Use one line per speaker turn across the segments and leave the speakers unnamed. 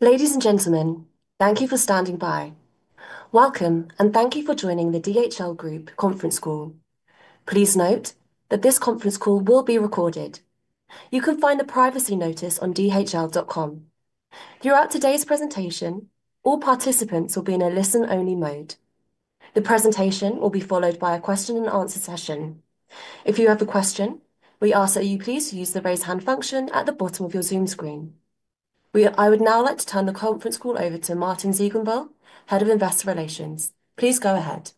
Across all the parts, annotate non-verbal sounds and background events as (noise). Ladies and gentlemen, thank you for standing by. Welcome, and thank you for joining the DHL Group Conference Call. Please note that this conference call will be recorded. You can find the privacy notice on dhl.com. Throughout today's presentation, all participants will be in a listen-only mode. The presentation will be followed by a question-and-answer session. If you have a question, we ask that you please use the raise hand function at the bottom of your Zoom screen. I would now like to turn the conference call over to Martin Ziegenbalg, Head of Investor Relations. Please go ahead.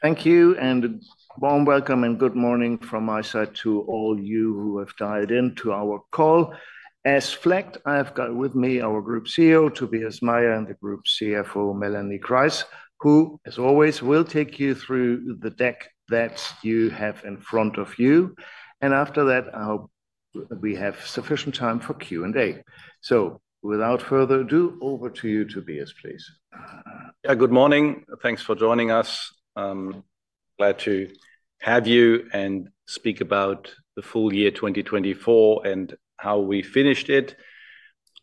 Thank you. A warm welcome, and good morning from my side to all you who have dialed into our call. As flagged, I have got with me our Group CEO, Tobias Meyer and the Group CFO, Melanie Kreis, who as always, will take you through the deck that you have in front of you. After that, I hope we have sufficient time for Q&A. Without further ado, over to you, Tobias please.
Yeah, good morning. Thanks for joining us. I'm glad to have you, and speak about the full year 2024 and how we finished it.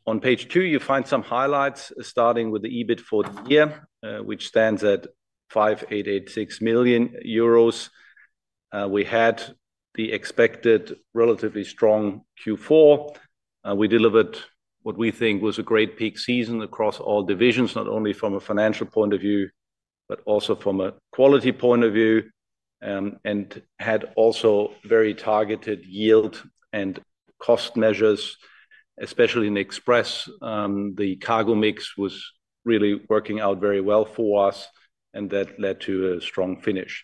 On page two, you'll find some highlights, starting with the EBIT for the year, which stands at 586 million euros. We had the expected relatively strong Q4. We delivered what we think was a great peak season across all divisions, not only from a financial point of view, but also from a quality point of view and had also very targeted yield and cost measures, especially in Express. The cargo mix was really working out very well for us, and that led to a strong finish.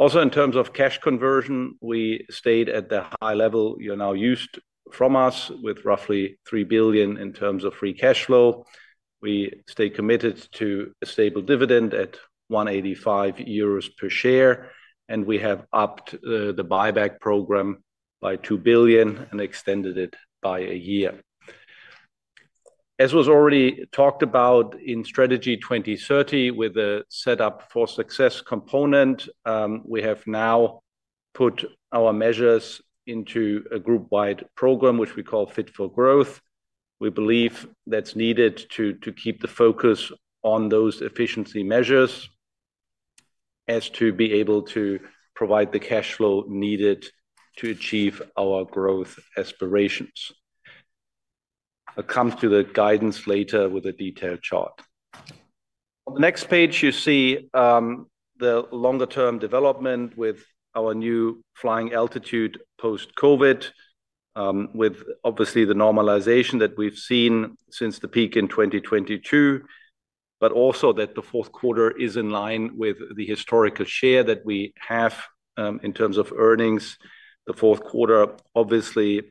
Also, in terms of cash conversion, we stayed at the high level you're now used from us, with roughly 3 billion in terms of free cash flow. We stayed committed to a stable dividend at 1.85 euros per share, and we have upped the buyback program by 2 billion and extended it by a year. As was already talked about in Strategy 2030, with a setup for success component, we have now put our measures into a group-wide program, which we call Fit for Growth. We believe that's needed to keep the focus on those efficiency measures, as to be able to provide the cash flow needed to achieve our growth aspirations. I'll come to the guidance later with a detailed chart. On the next page, you see the longer-term development with our new flying altitude post-COVID, with obviously the normalization that we've seen since the peak in 2022, but also that the fourth quarter is in line with the historical share that we have in terms of earnings. The fourth quarter, obviously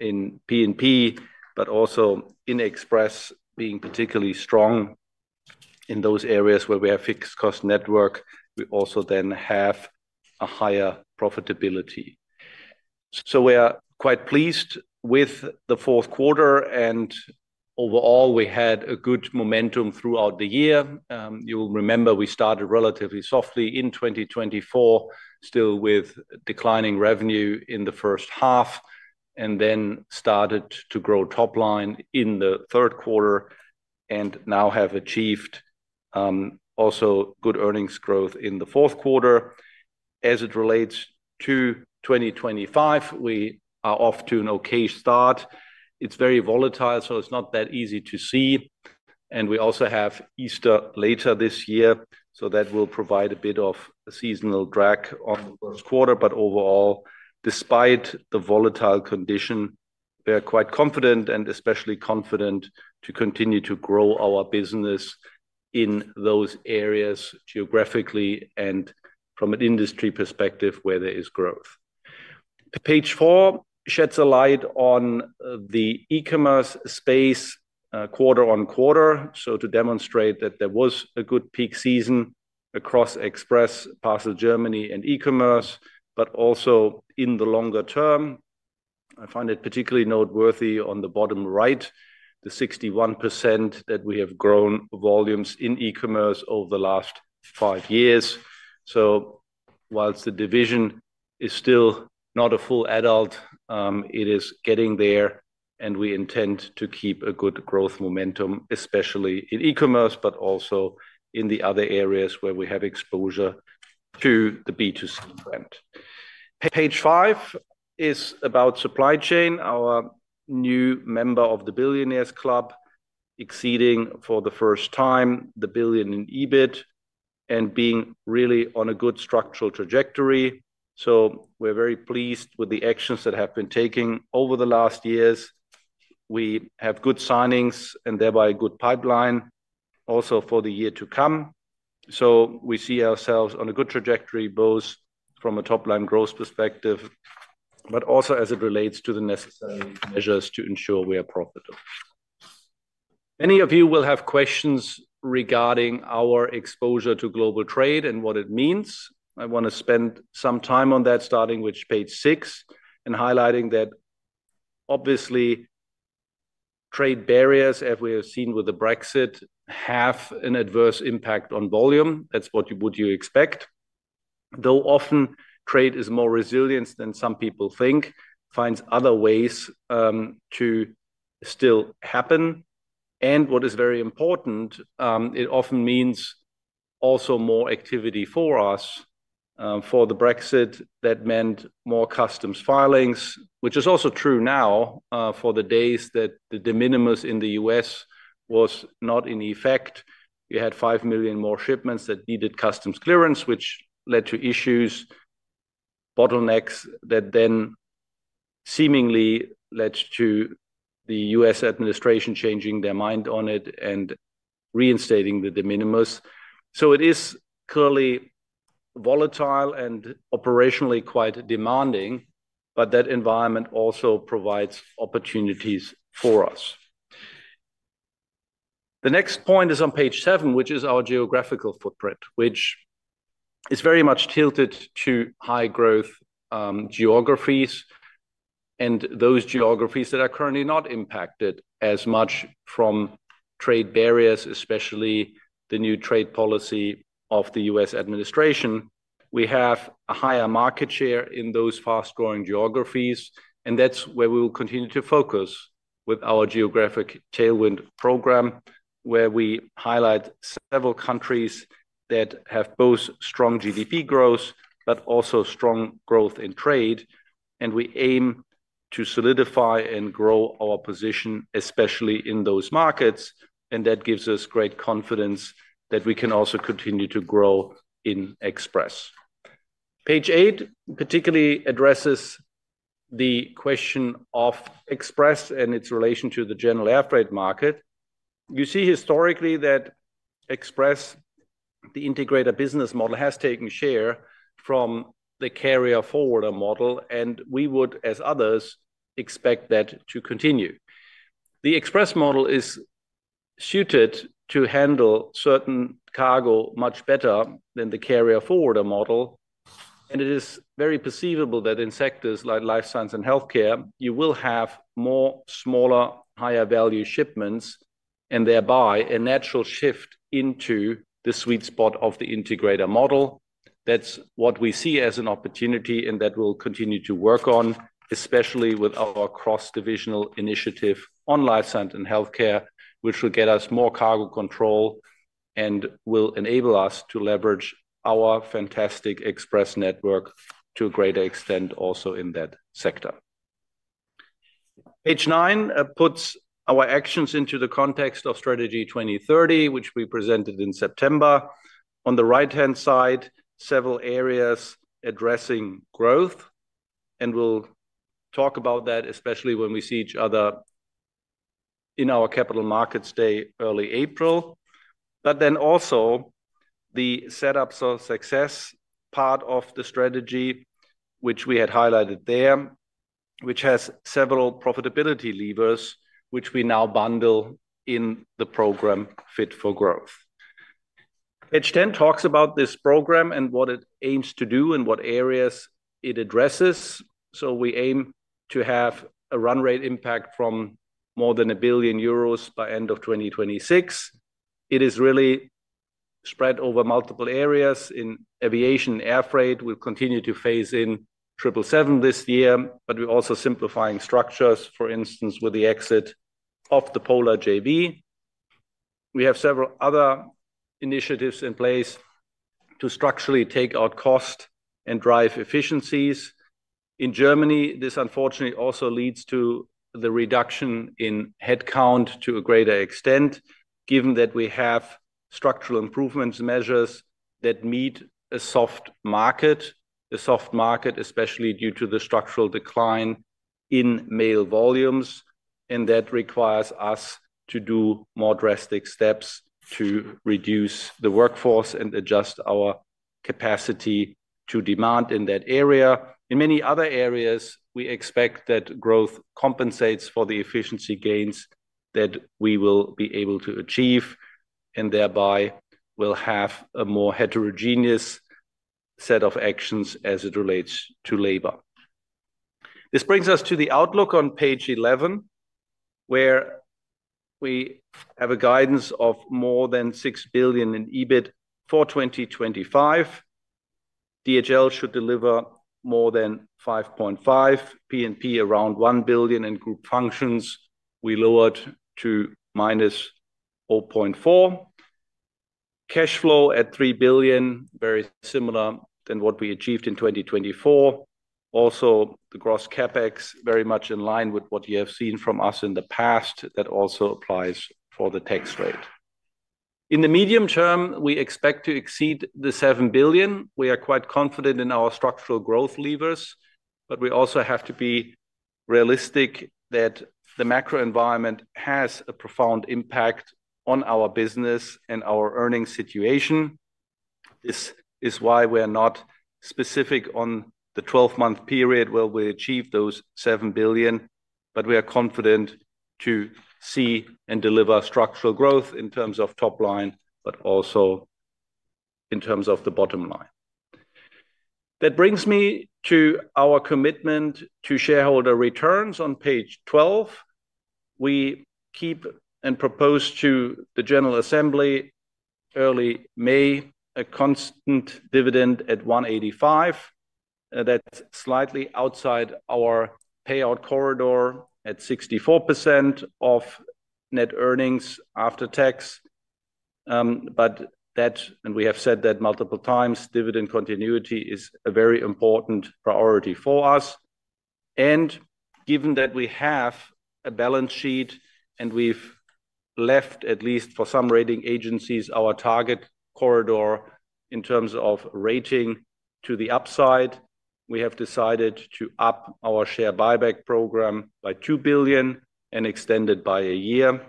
in P&P, but also in Express, being particularly strong in those areas where we have fixed cost network, we also then have a higher profitability. We are quite pleased with the fourth quarter, and overall, we had a good momentum throughout the year. You'll remember we started relatively softly in 2024, still with declining revenue in the first half and then started to grow top line in the third quarter, and now have achieved also good earnings growth in the fourth quarter. As it relates to 2025, we are off to an okay start. It's very volatile, so it's not that easy to see and we also have Easter later this year, so that will provide a bit of a seasonal drag on the first quarter. Overall, despite the volatile condition, we are quite confident and especially confident to continue to grow our business in those areas geographically and from an industry perspective where there is growth. Page four sheds a light on the e-commerce space quarter-on-quarter, so to demonstrate that there was a good peak season across Express, Parcel Germany, and e-commerce, but also in the longer term. I find it particularly noteworthy on the bottom right, the 61% that we have grown volumes in e-commerce over the last five years. Whilst the division is still not a full adult, it is getting there and we intend to keep a good growth momentum, especially in e-commerce, but also in the other areas where we have exposure to the B2C brand. Page five is about supply chain. Our new member of the Billionaires Club, exceeding for the first time the billion in EBIT and being really on a good structural trajectory. We're very pleased with the actions that have been taken over the last years. We have good signings, and thereby a good pipeline also for the year to come. We see ourselves on a good trajectory both from a top-line growth perspective, but also as it relates to the necessary measures to ensure we are profitable. Many of you will have questions regarding our exposure to global trade and what it means. I want to spend some time on that, starting with page six and highlighting that obviously trade barriers, as we have seen with the Brexit have an adverse impact on volume. That's what you would expect. Though often trade is more resilient than some people think, it finds other ways to still happen. What is very important, it often means also more activity for us. For the Brexit, that meant more customs filings, which is also true now for the days that the de minimis in the U.S. was not in effect. You had 6 million more shipments that needed customs clearance, which led to issues, bottlenecks that then seemingly led to the U.S. administration changing their mind on it and reinstating the de minimis. It is clearly volatile and operationally quite demanding, but that environment also provides opportunities for us. The next point is on page seven, which is our geographical footprint, which is very much tilted to high-growth geographies, and those geographies that are currently not impacted as much from trade barriers, especially the new trade policy of the U.S. administration. We have a higher market share in those fast-growing geographies, and that's where we will continue to focus with our geographic tailwind program, where we highlight several countries that have both strong GDP growth, but also strong growth in trade. We aim to solidify and grow our position, especially in those markets and that gives us great confidence that we can also continue to grow in Express. Page eight particularly addresses the question of express and its relation to the general air freight market. You see historically that Express, the integrator business model has taken share from the carrier-forwarder model, and we would, as others, expect that to continue. The Express model is suited to handle certain cargo much better than the carrier forwarder model. It is very perceivable that in sectors like life science and healthcare, you will have more smaller, higher value shipments and thereby a natural shift into the sweet spot of the integrator model. That's what we see as an opportunity, and that we'll continue to work on, especially with our cross-divisional initiative on life science and healthcare, which will get us more cargo control and will enable us to leverage our fantastic Express network to a greater extent also in that sector. Page nine puts our actions into the context of Strategy 2030, which we presented in September. On the right-hand side, several areas addressing growth and we'll talk about that, especially when we see each other in our Capital Markets Day, early April. Also, the setups of success part of the strategy, which we had highlighted there, which has several profitability levers, which we now bundle in the program Fit for Growth. Page 10 talks about this program, and what it aims to do and what areas it addresses. We aim to have a run rate impact from more than 1 billion euros by end of 2026. It is really spread over multiple areas in aviation and airfreight. We'll continue to phase in 777 this year, but we're also simplifying structures, for instance, with the exit of the Polar JV. We have several other initiatives in place, to structurally take out cost and drive efficiencies. In Germany, this unfortunately also leads to the reduction in headcount to a greater extent, given that we have structural improvement measures that meet a soft market, especially due to the structural decline in mail volumes. That requires us to do more drastic steps to reduce the workforce, and adjust our capacity to demand in that area. In many other areas, we expect that growth compensates for the efficiency gains that we will be able to achieve, and thereby we'll have a more heterogeneous set of actions as it relates to labor. This brings us to the outlook on page 11, where we have a guidance of more than 6 billion in EBIT for 2025. DHL should deliver more than 5.5, P&P around 1 billion and group functions we lowered to -0.4. Cash flow at 3 billion, very similar than what we achieved in 2024. Also, the gross CapEx, very much in line with what you have seen from us in the past, that also applies for the tax rate. In the medium term, we expect to exceed the 7 billion. We are quite confident in our structural growth levers, but we also have to be realistic that the macro environment has a profound impact on our business and our earnings situation. This is why we are not specific on the 12-month period where we achieve those 7 billion, but we are confident to see and deliver structural growth in terms of top line, but also in terms of the bottom line. That brings me to our commitment to shareholder returns on page 12. We keep and propose to the general assembly, early May, a constant dividend at 185. That's slightly outside our payout corridor at 64% of net earnings after tax. We have said that multiple times, dividend continuity is a very important priority for us. Given that we have a balance sheet and we've left, at least for some rating agencies, our target corridor in terms of rating to the upside, we have decided to up our share buyback program by 2 billion and extend it by a year.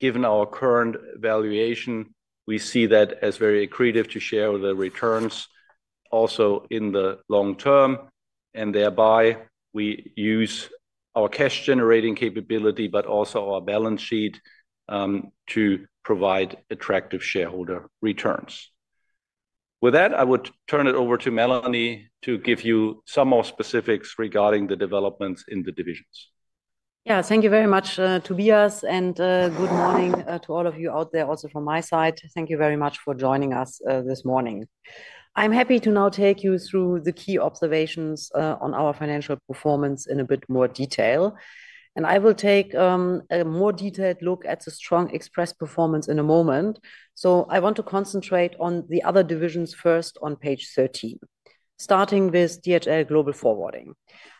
Given our current valuation, we see that as very accretive to share the returns also in the long term and thereby we use our cash-generating capability, but also our balance sheet to provide attractive shareholder returns. With that, I would turn it over to Melanie to give you some more specifics regarding the developments in the divisions.
Yeah. Thank you very much, Tobias, and good morning to all of you out there also from my side. Thank you very much for joining us this morning. I'm happy to now take you through the key observations on our financial performance in a bit more detail, and I will take a more detailed look at the strong express performance in a moment. I want to concentrate on the other divisions first on page 13, starting with DHL Global Forwarding.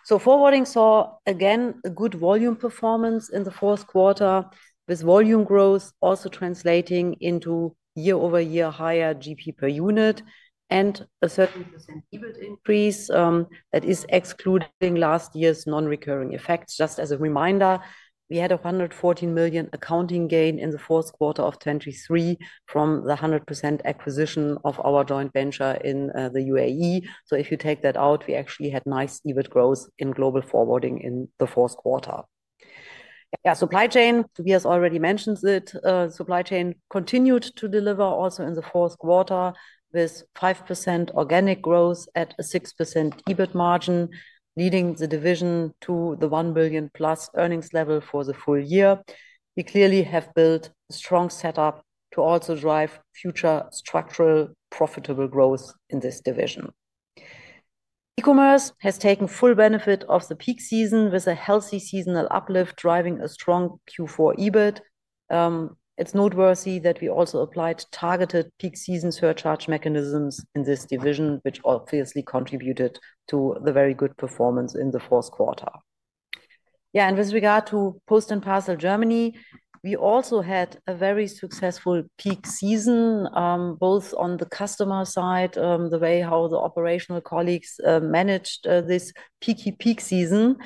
Forwarding saw again, a good volume performance in the fourth quarter, with volume growth also translating into year-over-year higher GP per unit and a [30% EBIT] increase, that is excluding last year's non-recurring effects. Just as a reminder, we had a 114 million accounting gain in the fourth quarter of 2023, from the 100% acquisition of our joint venture in the UAE. If you take that out, we actually had nice EBIT growth in Global Forwarding in the fourth quarter. Yeah, supply chain,. Tobias already mentioned it, supply chain continued to deliver also in the fourth quarter, with 5% organic growth at a 6% EBIT margin, leading the division to the 1+ billion earnings level for the full year. We clearly have built a strong setup to also drive future structural profitable growth in this division. E-commerce has taken full benefit of the peak season, with a healthy seasonal uplift driving a strong Q4 EBIT. It's noteworthy that we also applied targeted peak season surcharge mechanisms in this division, which obviously contributed to the very good performance in the fourth quarter. Yeah, and with regard to Post & Parcel Germany, we also had a very successful peak season, both on the customer side, how the operational colleagues managed this peaky peak season.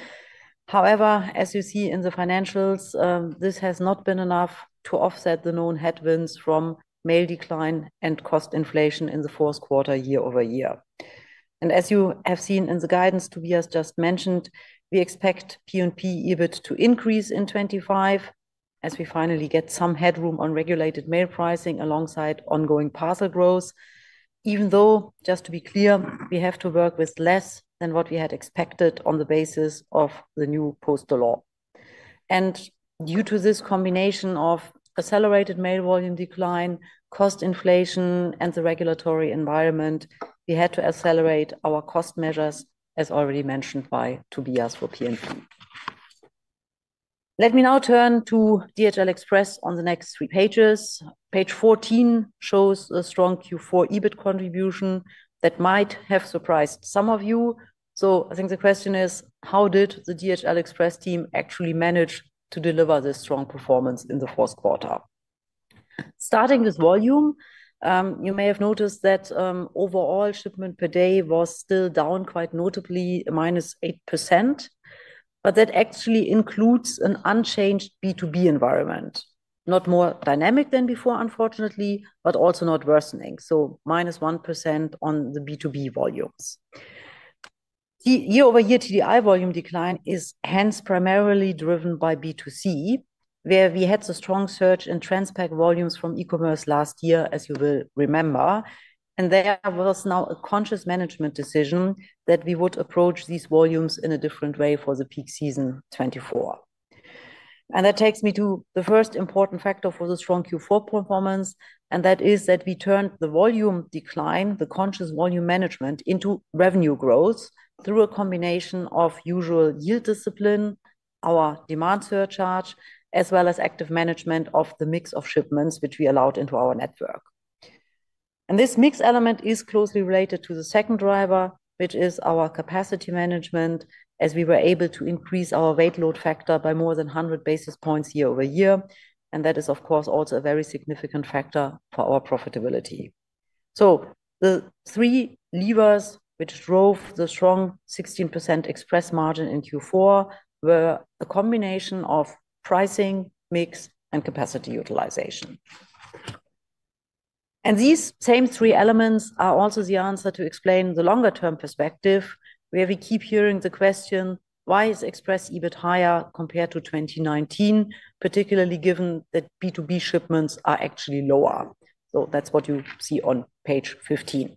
However, as you see in the financials, this has not been enough to offset the known headwinds from mail decline and cost inflation in the fourth quarter year over year. As you have seen in the guidance, Tobias just mentioned, we expect P&P EBIT to increase in 2025, as we finally get some headroom on regulated mail pricing alongside ongoing parcel growth, even though just to be clear, we have to work with less than what we had expected on the basis of the new postal law. Due to this combination of accelerated mail volume decline, cost inflation, and the regulatory environment, we had to accelerate our cost measures, as already mentioned by Tobias for P&P. Let me now turn to DHL Express on the next three pages. Page 14 shows a strong Q4 EBIT contribution that might have surprised some of you. I think the question is, how did the DHL Express team actually manage to deliver this strong performance in the fourth quarter? Starting with volume, you may have noticed that overall, shipment per day was still down quite notably, -8%, but that actually includes an unchanged B2B environment, not more dynamic than before unfortunately, but also not worsening, so -1% on the B2B volumes. The year-over-year TDI volume decline is hence primarily driven by B2C, where we had the strong surge in Transpac volumes from e-commerce last year, as you will remember. There was now a conscious management decision that we would approach these volumes in a different way for the peak season 2024. That takes me to the first important factor for the strong Q4 performance, and that is that we turned the volume decline, the conscious volume management into revenue growth through a combination of usual yield discipline, our demand surcharge, as well as active management of the mix of shipments which we allowed into our network. This mix element is closely related to the second driver, which is our capacity management, as we were able to increase our weight load factor by more than 100 basis points year-over-year. That is of course also a very significant factor for our profitability. The three levers which drove the strong 16% express margin in Q4 were a combination of pricing, mix, and capacity utilization. These same three elements are also the answer to explain the longer-term perspective, where we keep hearing the question, why is Express EBIT higher compared to 2019, particularly given that B2B shipments are actually lower? That's what you see on page 15.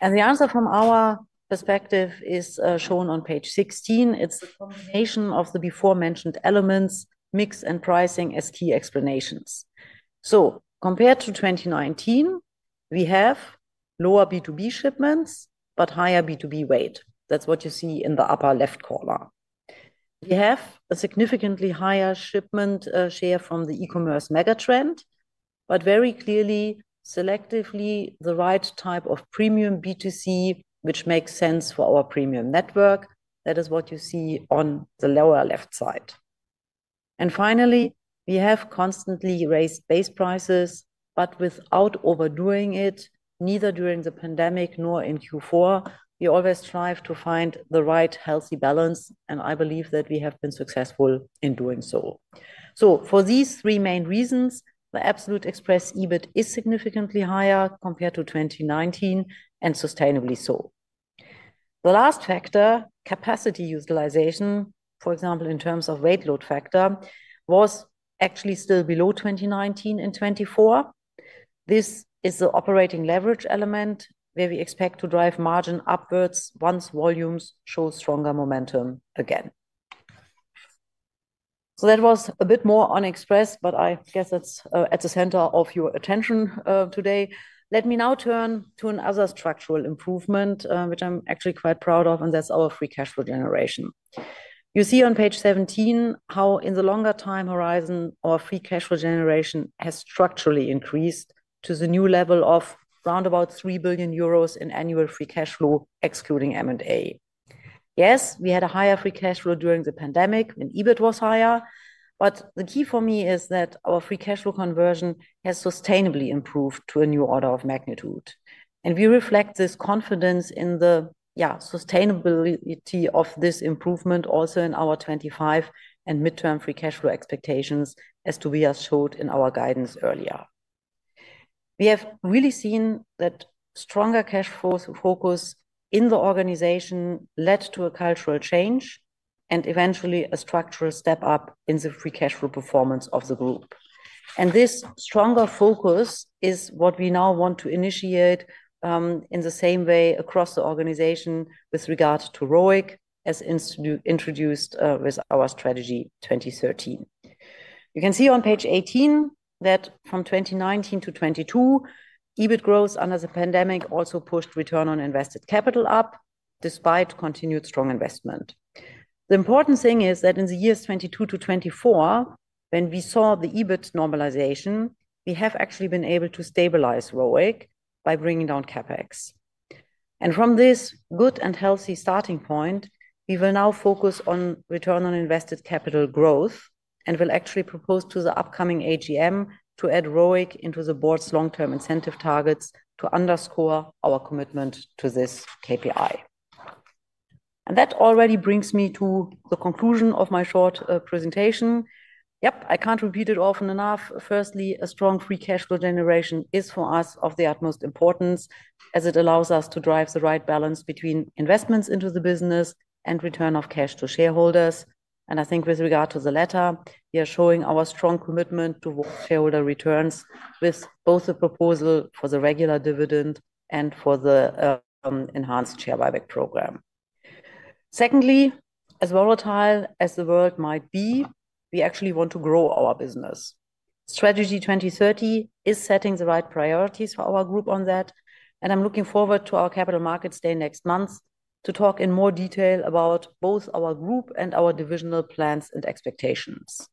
The answer from our perspective is shown on page 16. It's the (audio distortion) of the before-mentioned elements, mix and pricing as key explanations. Compared to 2019, we have lower B2B shipments, but higher B2B weight. That's what you see in the upper left corner. We have a significantly higher shipment share from the e-commerce megatrend, but very clearly, selectively the right type of premium B2C, which makes sense for our premium network. That is what you see on the lower left side. Finally, we have constantly raised base prices, but without overdoing it, neither during the pandemic nor in Q4. We always strive to find the right healthy balance, and I believe that we have been successful in doing so. For these three main reasons, the absolute Express EBIT is significantly higher compared to 2019, and sustainably so. The last factor, capacity utilization, for example, in terms of weight load factor, was actually still below 2019 in 2024. This is the operating leverage element where we expect to drive margin upwards once volumes show stronger momentum again. That was a bit more on Express, but I guess that's at the center of your attention today. Let me now turn to another structural improvement, which I'm actually quite proud of, and that's our free cash flow generation. You see on page 17 how in the longer time horizon, our free cash flow generation has structurally increased to the new level of roundabout 3 billion euros in annual free cash flow, excluding M&A. Yes, we had a higher free cash flow during the pandemic when EBIT was higher, but the key for me is that our free cash flow conversion has sustainably improved to a new order of magnitude. We reflect this confidence in the sustainability of this improvement also in our 2025 and midterm free cash flow expectations, as Tobias showed in our guidance earlier. We have really seen that stronger cash flow focus in the organization led to a cultural change, and eventually a structural step up in the free cash flow performance of the group. This stronger focus is what we now want to initiate in the same way across the organization with regard to ROIC, as introduced with our Strategy 2030. You can see on page 18 that from 2019 to 2022, EBIT growth under the pandemic also pushed return on invested capital up, despite continued strong investment. The important thing is that in the years 2022-2024, when we saw the EBIT normalization, we have actually been able to stabilize ROIC by bringing down CapEx. From this good and healthy starting point, we will now focus on return on invested capital growth and will actually propose to the upcoming AGM, to add ROIC into the board's long-term incentive targets to underscore our commitment to this KPI. That already brings me to the conclusion of my short presentation. Yep, I can't repeat it often enough. Firstly, a strong free cash flow generation is for us of the utmost importance, as it allows us to drive the right balance between investments into the business and return of cash to shareholders. I think with regard to the letter, we are showing our strong commitment to shareholder returns, with both the proposal for the regular dividend and for the enhanced share buyback program. Secondly, as volatile as the world might be, we actually want to grow our business. Strategy 2030 is setting the right priorities for our group on that, and I'm looking forward to our Capital Markets Day next month, to talk in more detail about both our group and our divisional plans and expectations.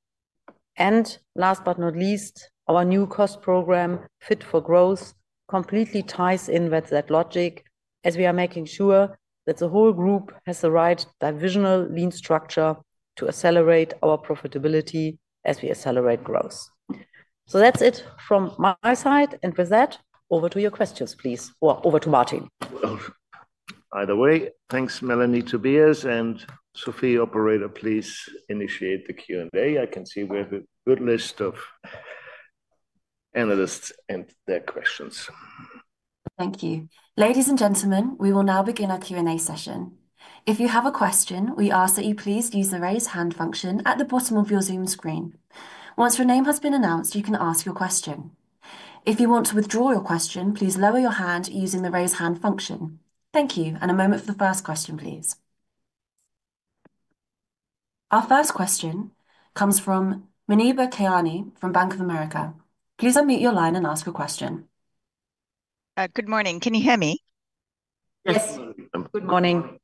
Last but not least, our new cost program, Fit for Growth completely ties in with that logic, as we are making sure that the whole group has the right divisional lean structure, to accelerate our profitability as we accelerate growth. That's it from my side. With that, over to your questions please or over to Martin.
By the way, thanks, Melanie, Tobias. Sophie, operator, please initiate the Q&A. I can see we have a good list of analysts and their questions.
Thank you. Ladies and gentlemen, we will now begin our Q&A session. If you have a question, we ask that you please use the raise hand function at the bottom of your Zoom screen. Once your name has been announced, you can ask your question. If you want to withdraw your question, please lower your hand using the raise hand function. Thank you. A moment for the first question, please. Our first question comes from Muneeba Kayani from Bank of America. Please unmute your line and ask your question.
Good morning. Can you hear me?
Yes.
Yes. Good morning.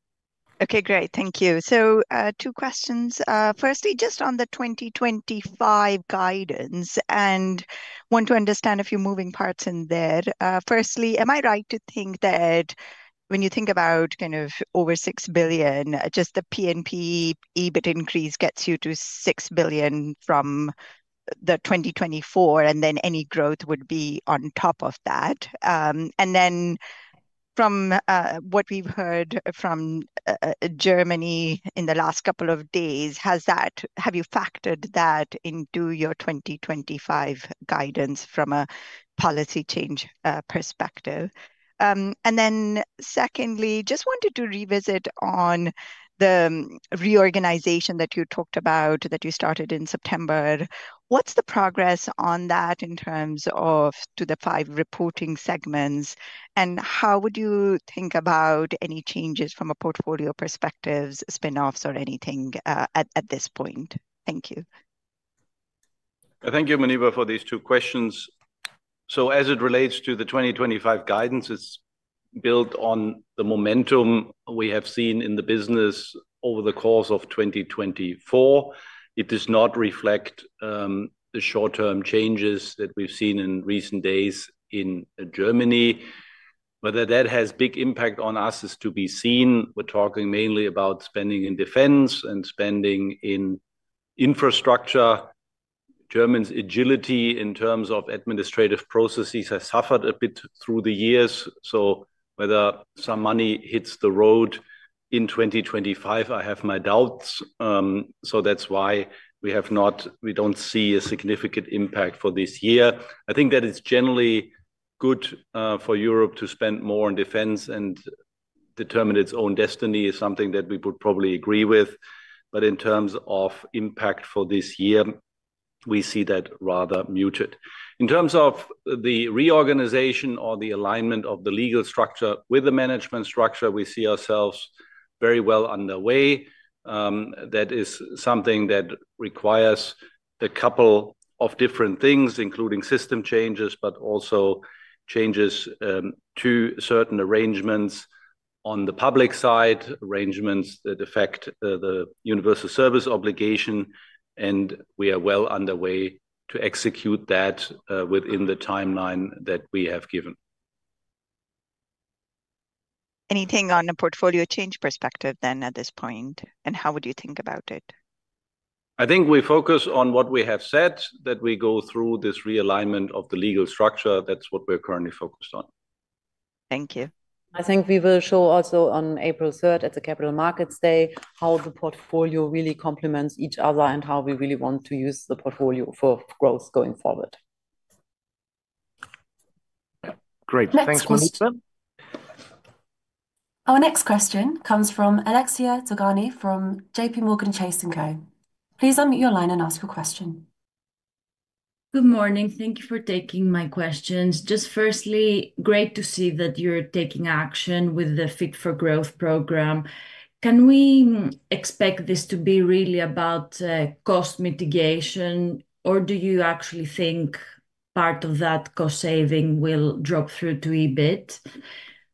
Okay, great. Thank you, so two questions. Firstly, just on the 2025 guidance, I want to understand a few moving parts in there. Firstly, am I right to think that when you think about kind of over €6 billion, just the P&P EBIT increase gets you to €6 billion from the 2024, and then any growth would be on top of that? From what we've heard from Germany in the last couple of days, have you factored that into your 2025 guidance from a policy change perspective? Secondly, just wanted to revisit on the reorganization that you talked about that you started in September. What's the progress on that in terms of the five reporting segments, and how would you think about any changes from a portfolio perspective, spinoffs, or anything at this point? Thank you.
Thank you, Muneeba for these two questions. As it relates to the 2025 guidance, it's built on the momentum we have seen in the business over the course of 2024. It does not reflect the short-term changes that we've seen in recent days in Germany. Whether that has a big impact on us is to be seen. We're talking mainly about spending in defense and spending in infrastructure. Germany's agility in terms of administrative processes has suffered a bit through the years, so whether some money hits the road in 2025, I have my doubts. That's why we don't see a significant impact for this year. I think that it's generally good for Europe to spend more on defense and determine its own destiny, is something that we would probably agree with. In terms of impact for this year, we see that rather muted. In terms of the reorganization or the alignment of the legal structure, with the management structure, we see ourselves very well underway. That is something that requires a couple of different things, including system changes, but also changes to certain arrangements on the public side, arrangements that affect the Universal Service Obligation. We are well underway to execute that within the timeline that we have given.
Anything on a portfolio change perspective then at this point? How would you think about it?
I think we focus on what we have said, that we go through this realignment of the legal structure. That's what we're currently focused on.
Thank you.
I think we will show also on April 3rd at the Capital Markets Day, how the portfolio really complements each other and how we really want to use the portfolio for growth going forward.
Thank, great. Thanks. (audio distortion)
Our next question comes from Alexia Dogani from JPMorgan Chase & Co. Please unmute your line and ask your question.
Good morning. Thank you for taking my questions. Just firstly, great to see that you're taking action with the Fit for Growth program. Can we expect this to be really about cost mitigation, or do you actually think part of that cost saving will drop through to EBIT?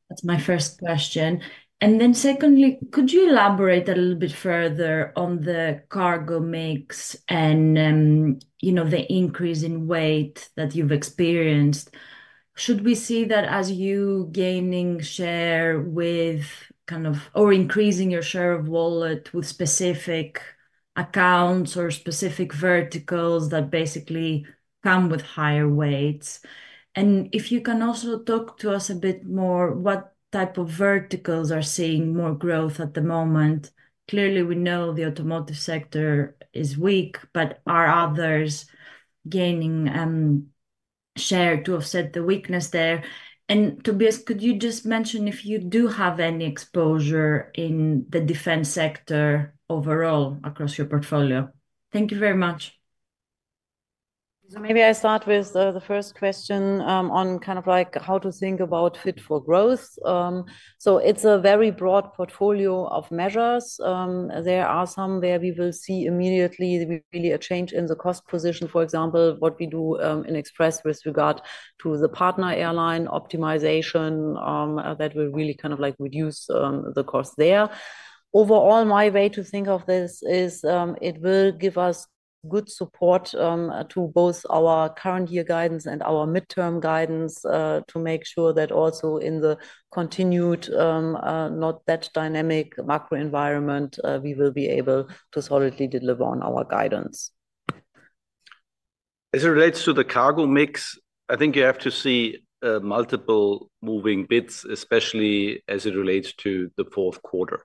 That's my first question. Secondly, could you elaborate a little bit further on the cargo mix and the increase in weight that you've experienced? Should we see that as you're gaining shareor increasing your share of wallet with specific accounts, or specific verticals that basically come with higher weights? If you can also talk to us a bit more, what type of verticals are seeing more growth at the moment? Clearly, we know the automotive sector is weak, but are others gaining share to offset the weakness there? Tobias, could you just mention if you do have any exposure in the defense sector overall across your portfolio? Thank you very much.
Maybe I start with the first question on how to think about Fit for Growth, so it's a very broad portfolio of measures. There are some where we will see immediately really a change in the cost position. For example, what we do in express with regard to the partner airline optimization, that will really reduce the cost there. Overall, my way to think of this is, it will give us good support to both our current year guidance and our midterm guidance, to make sure that also in the continued, dynamic macro environment, we will be able to solidly deliver on our guidance.
As it relates to the cargo mix, I think you have to see multiple moving parts, especially as it relates to the fourth quarter.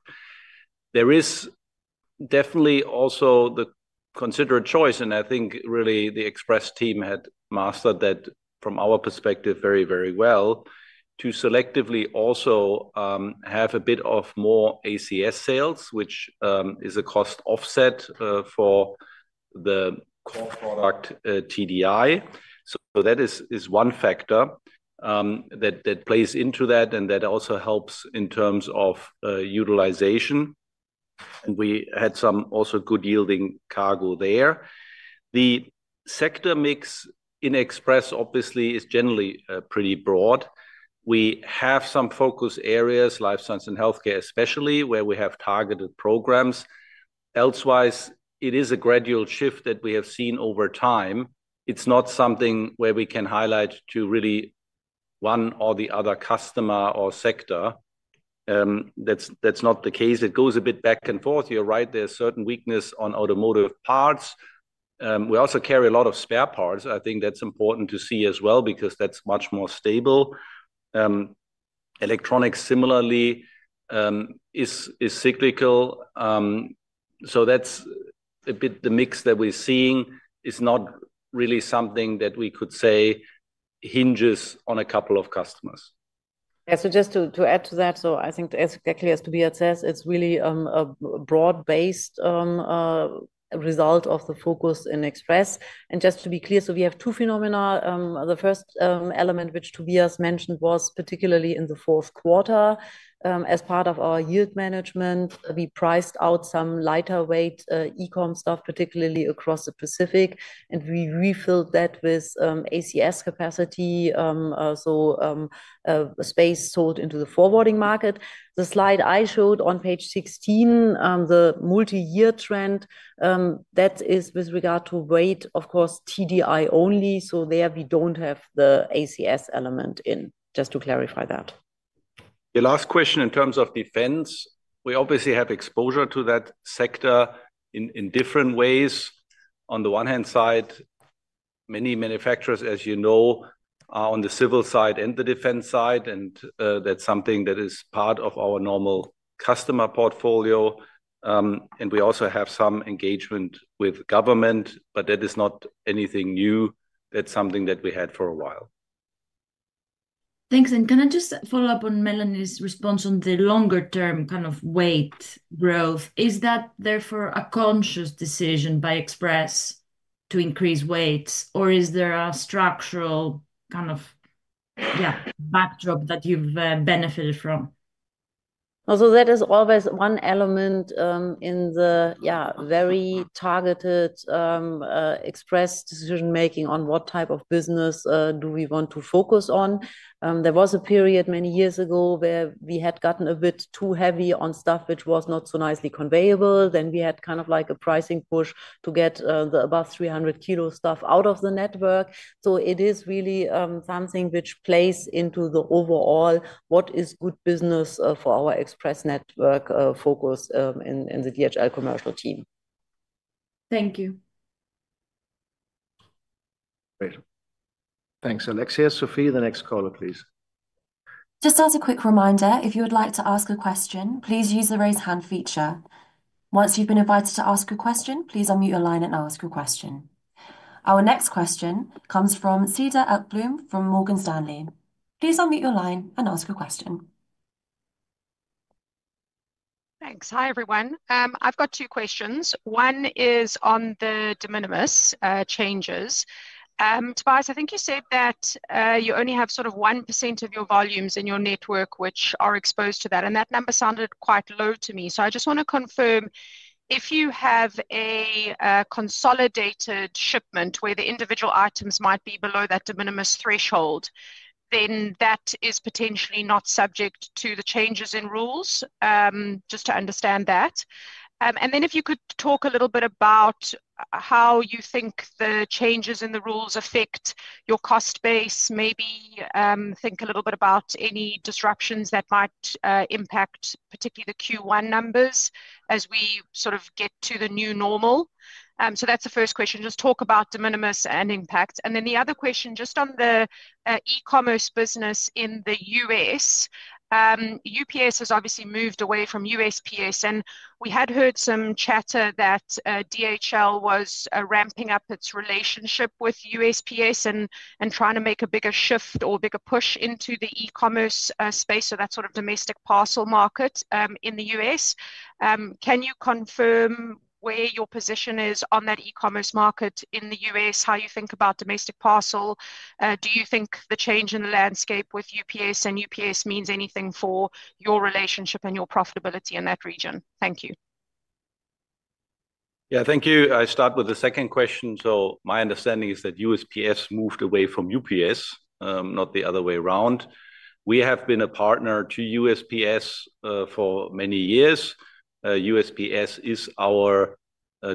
There is definitely also the considered choice, and I think really the express team had mastered that from our perspective very, very well, to selectively also have a bit of more ACS sales, which is a cost offset for the core product TDI. That is one factor that plays into that, and that also helps in terms of utilization. We had some also good yielding cargo there. The sector mix in express obviously is generally pretty broad. We have some focus areas, life science and healthcare especially, where we have targeted programs. Elsewise, it is a gradual shift that we have seen over time. It's not something where we can highlight to really one or the other customer or sector. That's not the case. It goes a bit back and forth. You're right, there's certain weakness on automotive parts. We also carry a lot of spare parts. I think that's important to see as well because that's much more stable. Electronics similarly, is cyclical, so that's a bit, the mix that we're seeing is not really something that we could say hinges on a couple of customers. Yeah, so just to add to that, so I think as clearly as Tobias says, it's really a broad-based result of the focus in express. Just to be clear, so we have two phenomena. The first element which Tobias mentioned was particularly in the fourth quarter. As part of our yield management, we priced out some lighter-weight e-com stuff, particularly across the Pacific and we refilled that with ACS capacity, so space sold into the forwarding market. The slide I showed on page 16, the multi-year trend, that is with regard to weight, of course TDI only. There we don't have the ACS element in, just to clarify that.
The last question in terms of defense, we obviously have exposure to that sector in different ways. On the one hand side, many manufacturers, as you know are on the civil side and the defense side, and that's something that is part of our normal customer portfolio. We also have some engagement with government, but that is not anything new. That's something that we had for a while.
Thanks. Can I just follow up on Melanie's response on the longer-term kind of weight growth? Is that therefore a conscious decision by Express to increase weights, or is there a structural kind of backdrop that you've benefited from?
Also, that is always one element in the very targeted Express decision-making, on what type of business do we want to focus on. There was a period many years ago where we had gotten a bit too heavy on stuff, which was not so nicely conveyable. We had like a pricing push to get the above-300 kilo stuff out of the network. It is really something which plays into the overall, what is good business for our express network focus in the DHL commercial team?
Thank you.
Great. Thanks, Alexia. Sophie, the next caller, please.
Just as a quick reminder, if you would like to ask a question, please use the raise hand feature. Once you've been invited to ask a question, please unmute your line and ask your question. Our next question comes from Cedar Ekblom from Morgan Stanley. Please unmute your line and ask your question.
Thanks. Hi, everyone. I've got two questions. One is on the de minimis changes. Tobias, I think you said that you only have 1% of your volumes in your network which are exposed to that. That number sounded quite low to me. I just want to confirm, if you have a consolidated shipment where the individual items might be below that de minimis threshold, then that is potentially not subject to the changes in rules, just to understand that. If you could talk a little bit about how you think the changes in the rules affect your cost base, maybe think a little bit about any disruptions that might impact particularly the Q1 numbers as we get to the new normal. That's the first question. Just talk about de minimis and impact. The other question, just on the e-commerce business in the U.S., UPS has obviously moved away from USPS. We had heard some chatter that DHL was ramping up its relationship with USPS, and trying to make a bigger shift or bigger push into the e-commerce space, so that domestic parcel market in the U.S. Can you confirm where your position is on that e-commerce market in the U.S., how you think about domestic parcel? Do you think the change in the landscape with UPS means anything for your relationship and your profitability in that region? Thank you.
Yeah, thank you. I'll start with the second question. My understanding is that USPS moved away from UPS, not the other way around. We have been a partner to USPS for many years. USPS is our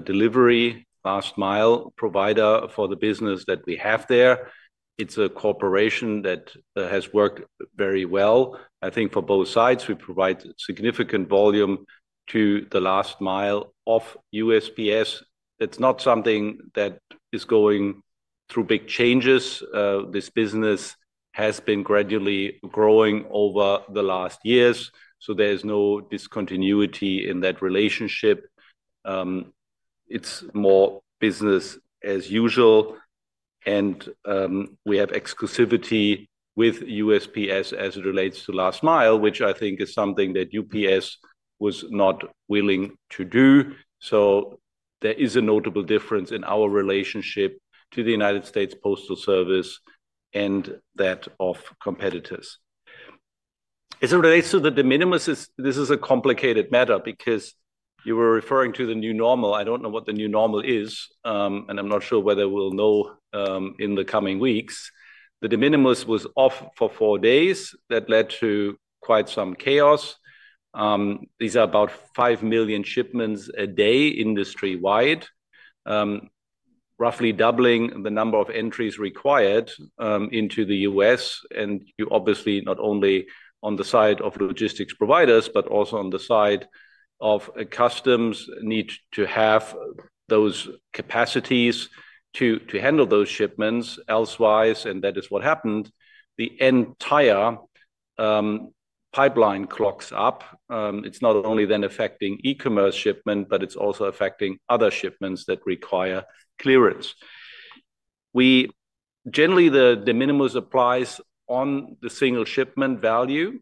delivery last-mile provider for the business that we have there. It's a corporation that has worked very well. I think for both sides, we provide significant volume to the last mile of USPS. It's not something that is going through big changes. This business has been gradually growing over the last years, so there's no discontinuity in that relationship. It's more business as usual, and we have exclusivity with USPS as it relates to last mile, which I think is something that UPS was not willing to do. There is a notable difference in our relationship to the United States Postal Service and that of competitors. As it relates to the de minimis, this is a complicated matter because you were referring to the new normal. I don't know what the new normal is, and I'm not sure whether we'll know in the coming weeks. The de minimis was off for four days. That led to quite some chaos. These are about five million shipments a day industry-wide, roughly doubling the number of entries required into the U.S. Obviously, not only on the side of logistics providers, but also on the side of customs need to have those capacities to handle those shipments elsewise, and that is what happened. The entire pipeline clogs up. It's not only then affecting e-commerce shipments, but it's also affecting other shipments that require clearance. Generally, the de minimis applies on the single shipment value,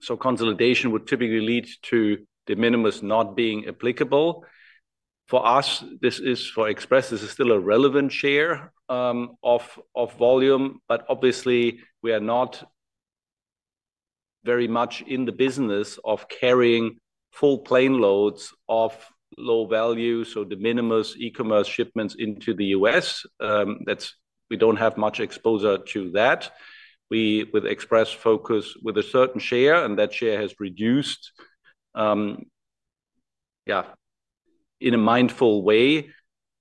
so consolidation would typically lead to de minimis not being applicable. For us, for Express, this is still a relevant share of volume, but obviously, we are not very much in the business of carrying full plane loads of low-value, so de minimis e-commerce shipments into the U.S. We don't have much exposure to that. We, with Express, focus with a certain share and that share has reduced in a mindful way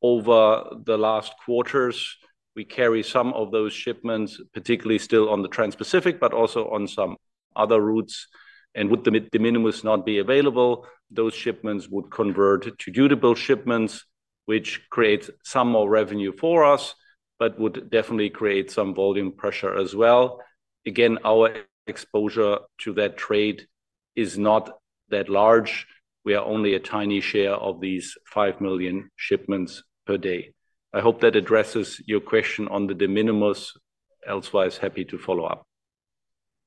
over the last quarters. We carry some of those shipments, particularly still on the Trans-Pacific, but also on some other routes. Would the de minimis not be available, those shipments would convert to duty bill shipments, which creates some more revenue for us, but would definitely create some volume pressure as well. Again, our exposure to that trade is not that large. We are only a tiny share of these 5 million shipments per day. I hope that addresses your question on the de minimis. Otherwise, happy to follow up.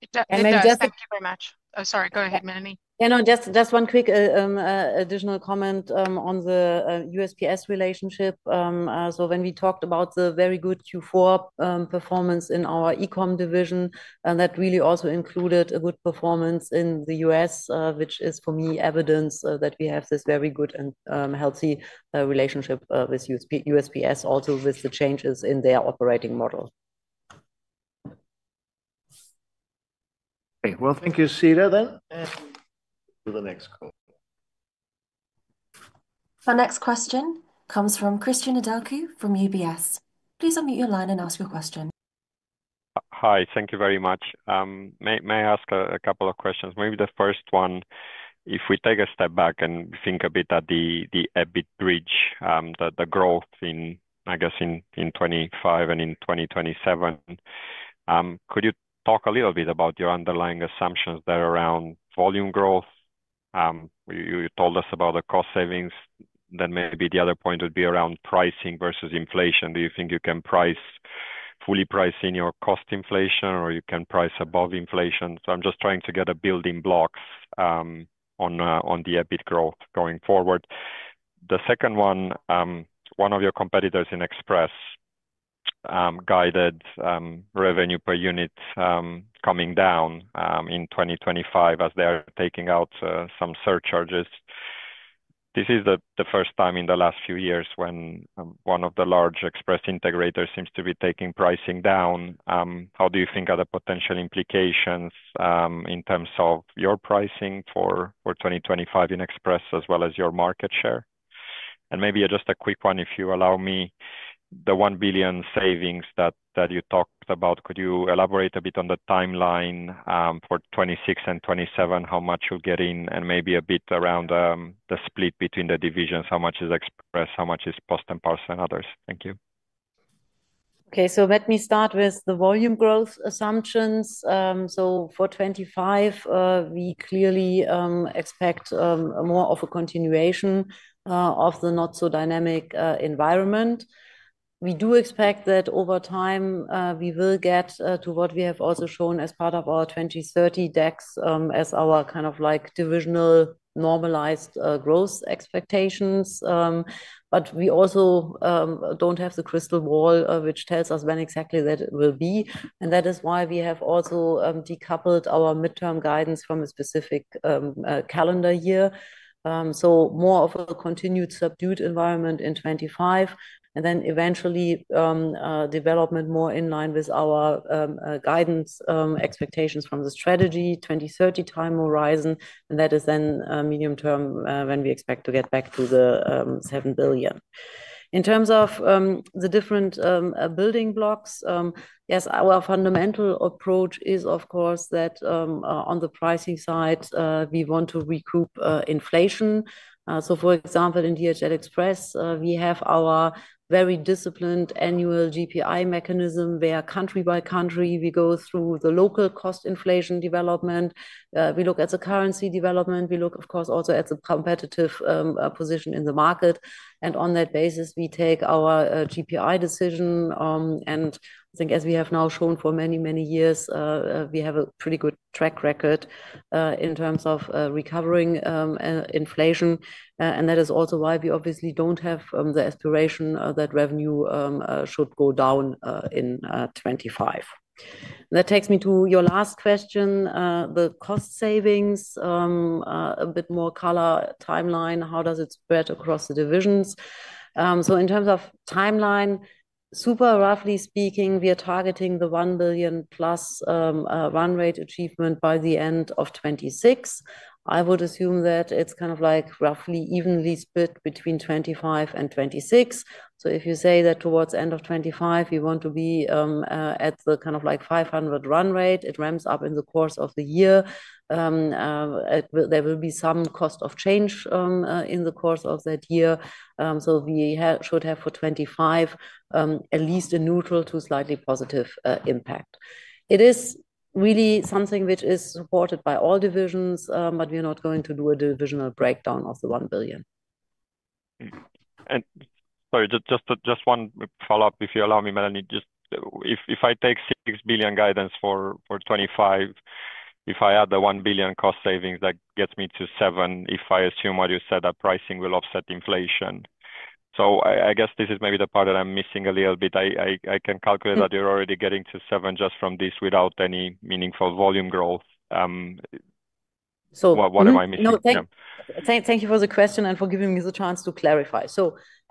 (audio distortion) Thank you very much. Oh, sorry. Go ahead, Melanie.
Yeah. No, just one quick additional comment on the USPS relationship. When we talked about the very good Q4 performance in our e-comm division, that really also included a good performance in the U.S., which is for me evidence that we have this very good and healthy relationship with USPS, also with the changes in their operating model.
Okay, thank you, Cedar then. To the next call.
Our next question comes from Cristian Nedelcu from UBS. Please unmute your line and ask your question.
Hi, thank you very much. May I ask a couple of questions? Maybe the first one, if we take a step back and think a bit at the EBIT bridge, the growth in 2025 and in 2027, could you talk a little bit about your underlying assumptions there around volume growth? You told us about the cost savings. Maybe the other point would be around pricing versus inflation. Do you think you can fully price in your cost inflation, or you can price above inflation? I'm just trying to get building blocks on the EBIT growth going forward. The second one, one of your competitors in Express guided revenue per unit coming down in 2025, as they are taking out some surcharges. This is the first time in the last few years when one of the large express integrators seems to be taking pricing down. How do you think are the potential implications in terms of your pricing for 2025 in express as well as your market share?
Maybe just a quick one, if you allow me, the 1 billion savings that you talked about, could you elaborate a bit on the timeline for 2026 and 2027, how much you'll get in and maybe a bit around the split between the divisions, how much is express, how much is post and parcel and others? Thank you.
Okay, so let me start with the volume growth assumptions. For 2025, we clearly expect more of a continuation of the not-so-dynamic environment. We do expect that over time, we will get to what we have also shown as part of our 2030 DEX as our kind of like divisional normalized growth expectations, but we also don't have the crystal ball which tells us when exactly that will be. That is why we have also decoupled our midterm guidance from a specific calendar year. More of a continued subdued environment in 2025, and then eventually development more in line with our guidance expectations from the Strategy 2030 time horizon. That is then medium-term, when we expect to get back to the 7 billion. In terms of the different building blocks, yes, our fundamental approach is of course that on the pricing side, we want to recoup inflation. For example, in DHL Express, we have our very disciplined annual GPI mechanism where country by country, we go through the local cost inflation development. We look at the currency development. We look of course also at the competitive position in the market. On that basis, we take our GPI decision. I think as we have now shown for many, many years, we have a pretty good track record in terms of recovering inflation. That is also why we obviously don't have the aspiration that revenue should go down in 2025. That takes me to your last question, the cost savings, a bit more color, timeline, how does it spread across the divisions? In terms of timeline, super roughly speaking, we are targeting the 1 billion-plus run rate achievement by the end of 2026. I would assume that it is kind of like roughly evenly split between 2025 and 2026. If you say that towards the end of 2025, we want to be at the 500 million run rate, it ramps up in the course of the year. There will be some cost of change in the course of that year, so we should have for 2025, at least a neutral to slightly positive impact. It is really something which is supported by all divisions, but we are not going to do a divisional breakdown of the 1 billion.
Sorry, just one follow-up, if you allow me, Melanie, just if I take 6 billion guidance for 2025, if I add the 1 billion cost savings, that gets me to seven, if I assume what you said, that pricing will offset inflation. I guess this is maybe the part that I'm missing a little bit. I can calculate that you're already getting to seven just from this without any meaningful volume growth, what am I missing?
Thank you for the question, and for giving me the chance to clarify.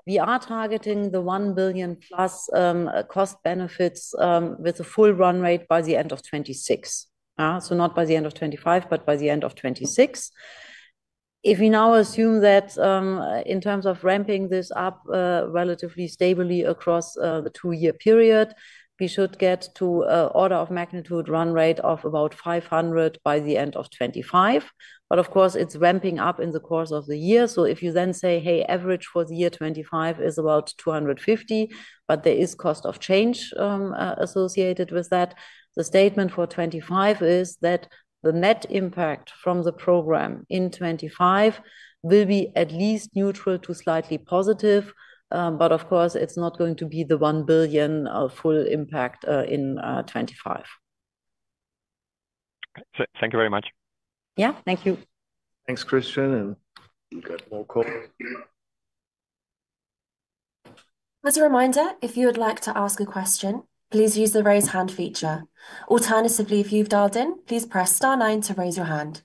We are targeting the 1+ billion cost benefits, with a full run rate by the end of 2026. Not by the end of 2025, but by the end of 2026. If we now assume that in terms of ramping this up relatively stably across the two-year period, we should get to an order of magnitude run rate of about 500 by the end of 2025. Of course, it's ramping up in the course of the year. If you then say, hey, average for the year 2025 is about 250, but there is cost of change associated with that, the statement for 2025 is that the net impact from the program in 2025 will be at least neutral to slightly positive. Of course, it's not going to be the 1 billion full impact in 2025.
Thank you very much.
Yeah, thank you.
Thanks, Cristian. We've got more calls.
As a reminder, if you would like to ask a question, please use the raise hand feature. Alternatively, if you've dialed in, please press star nine to raise your hand.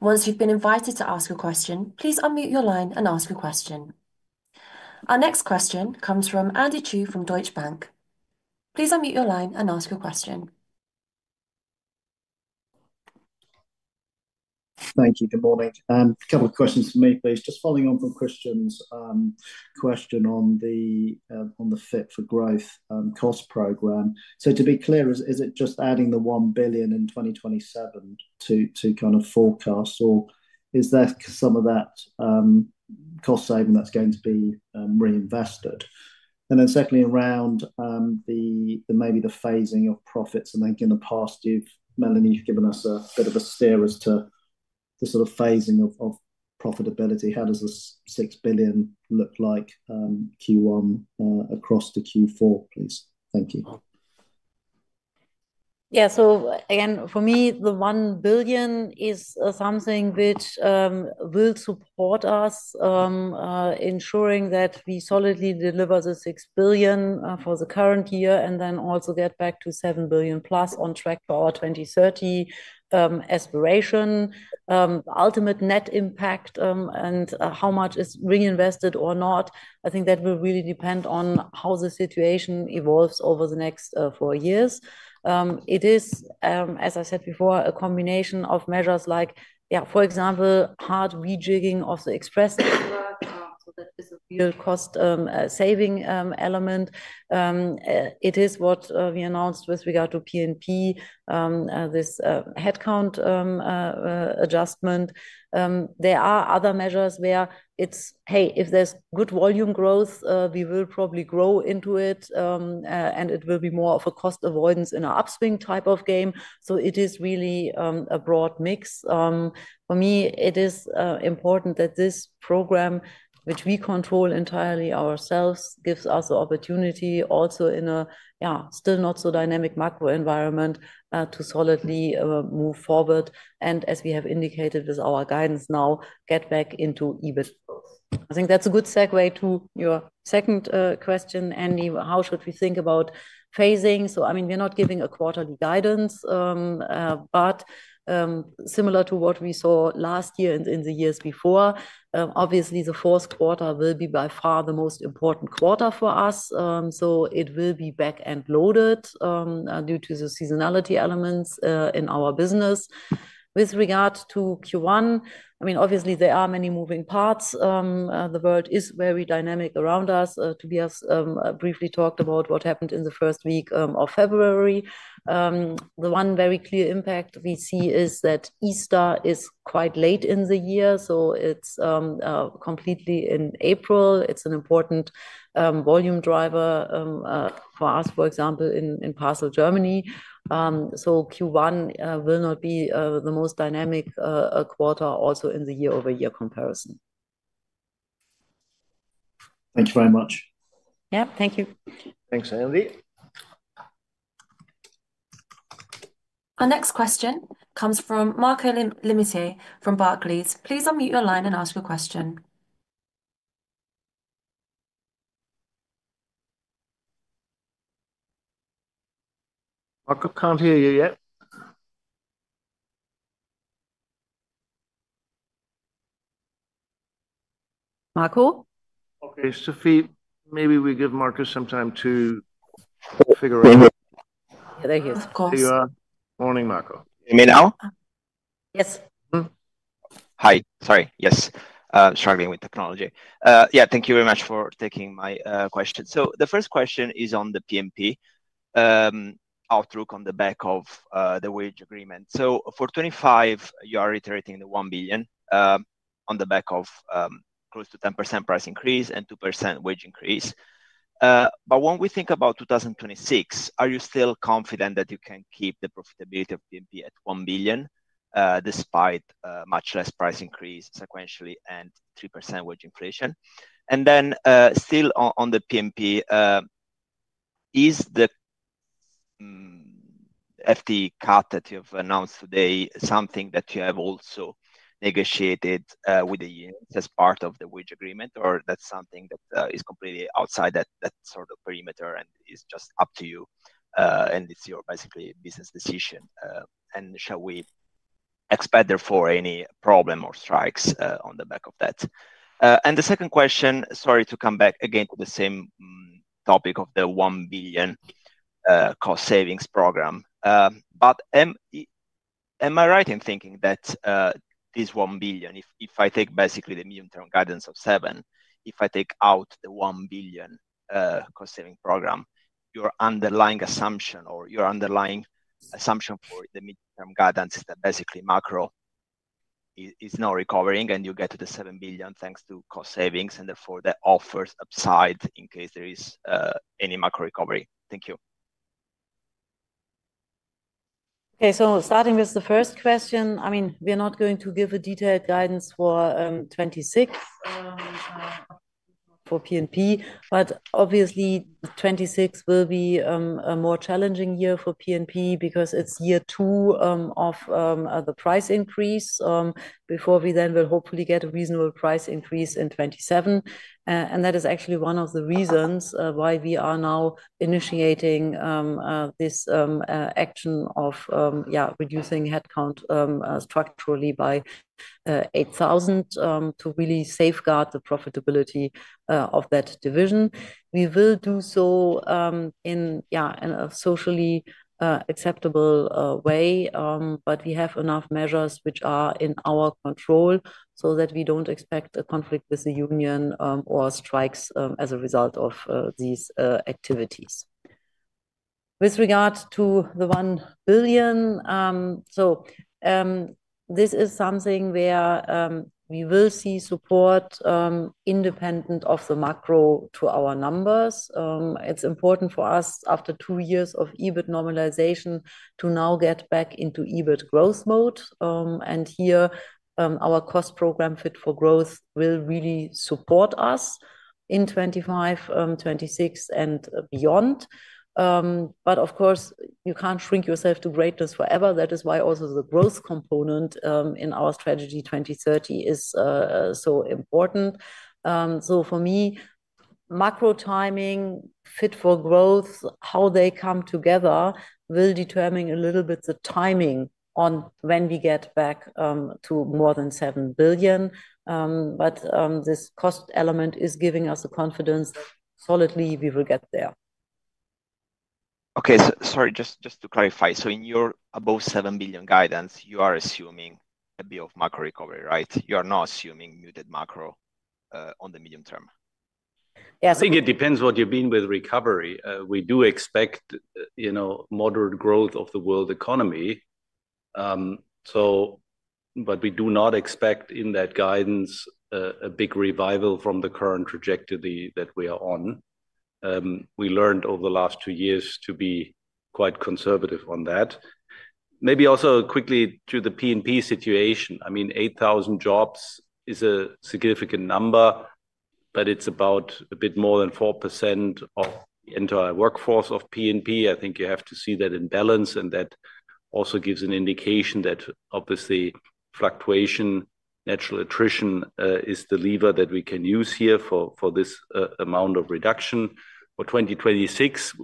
Once you've been invited to ask a question, please unmute your line and ask a question. Our next question comes from Andy Chu from Deutsche Bank. Please unmute your line and ask your question.
Thank you. Good morning. A couple of questions for me, please. Just following on from Cristian's question on the Fit for Growth cost program. To be clear, is it just adding the 1 billion in 2027 to kind of forecast, or is there some of that cost saving that's going to be reinvested? Secondly, around maybe the phasing of profits, I think in the past, Melanie, you've given us a bit of a steer as to the sort of phasing of profitability. How does this 6 billion look like Q1 across to Q4, please? Thank you.
Yeah. Again, for me, the 1 billion is something which will support us, ensuring that we solidly deliver the 6 billion for the current year and then also get back to 7+ billion on track for our 2030 aspiration. Ultimate net impact and how much is reinvested or not, I think that will really depend on how the situation evolves over the next four years. It is, as I said before, a combination of measures like, yeah, for example, hard rejigging of the Express. That is a real cost-saving element. It is what we announced with regard to P&P, this headcount adjustment. There are other measures where it's, hey, if there's good volume growth, we will probably grow into it. It will be more of a cost avoidance in an upswing type of game, so it is really a broad mix. For me, it is important that this program, which we control entirely ourselves, gives us the opportunity also in a, still not so dynamic macro environment to solidly move forward, and as we have indicated with our guidance now, get back into EBIT growth. I think that's a good segue to your second question, Andy, how should we think about phasing. We're not giving a quarterly guidance. Similar to what we saw last year and in the years before, obviously the fourth quarter will be by far the most important quarter for us, so it will be back-end loaded due to the seasonality elements in our business. With regard to Q1, obviously there are many moving parts. The world is very dynamic around us. Tobias briefly talked about what happened in the first week of February. The one very clear impact we see is that Easter is quite late in the year, so it's completely in April. It's an important volume driver for us, for example in Parcel Germany. Q1 will not be the most dynamic quarter also in the year-over-year comparison.
Thanks very much.
Yeah, thank you.
Thanks, Andy.
Our next question comes from Marco Limite from Barclays. Please unmute your line and ask your question.
Marco, we can't hear you yet.
Marco?
Okay. Sophie maybe we give Marco some time to figure. (audio distortion)
Yeah, there he is. Of course.
Morning, Marco.
Can you hear me now?
Yes.
Hi, sorry. Yes, struggling with technology. Yeah, thank you very much for taking my question. The first question is on the P&P outlook on the back of the wage agreement. For 2025, you are iterating the 1 billion on the back of close to 10% price increase, and 2% wage increase. When we think about 2026, are you still confident that you can keep the profitability of P&P at 1 billion, despite much less price increase sequentially and 3% wage inflation? Still on the P&P, is the FTE cut that you have announced today something that you have also negotiated with the units as part of the wage agreement, or that's something that is completely outside that sort of perimeter and is just up to you? It's your basically business decision, and shall we expect therefore any problem or strikes on the back of that? The second question, sorry to come back again to the same topic of the 1 billion cost savings program. Am I right in thinking that this 1 billion, if I take basically the medium-term guidance of 7 billion, if I take out the 1 billion cost saving program, your underlying assumption for the medium-term guidance is that basically macro, is now recovering and you get to the 7 billion thanks to cost savings, and therefore that offer's upside in case there is any macro recovery? Thank you.
Okay, so starting with the first question, we're not going to give a detailed guidance for 2026 for P&P, but obviously 2026 will be a more challenging year for P&P because it's year two of the price increase, before we then will hopefully get a reasonable price increase in 2027. That is actually one of the reasons why we are now initiating this action of reducing headcount structurally by 8,000, to really safeguard the profitability of that division. We will do so in a socially acceptable way, but we have enough measures which are in our control, so that we don't expect a conflict with the union or strikes as a result of these activities. With regard to the 1 billion, so this is something where we will see support independent of the macro to our numbers. It's important for us after two years of EBIT normalization, to now get back into EBIT growth mode. Here, our cost program Fit for Growth will really support us in 2025, 2026, and beyond. Of course, you can't shrink yourself to greatness forever. That is why also the growth component in our Strategy 2030 is so important. For me, macro timing, Fit for Growth, how they come together will determine a little bit the timing on when we get back to more than 7 billion. This cost element is giving us the confidence that solidly we will get there.
Okay, sorry, just to clarify. In your above 7 billion guidance, you are assuming a bit of macro recovery, right? You are not assuming muted macro on the medium term.
I think it depends what you mean with recovery. We do expect moderate growth of the world economy, but we do not expect in that guidance, a big revival from the current trajectory that we are on. We learned over the last two years to be quite conservative on that. Maybe also quickly to the P&P situation. I mean, 8,000 jobs is a significant number, but it's about a bit more than 4% of the entire workforce of P&P. I think you have to see that in balance, and that also gives an indication that obviously fluctuation, natural attrition is the lever that we can use here for this amount of reduction. For 2026,